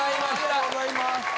ありがとうございます。